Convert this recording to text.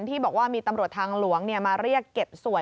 ที่บอกว่ามีตำรวจทางหลวงมาเรียกเก็บสวย